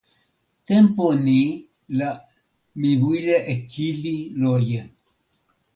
tenpo ni la mi wile e kili loje.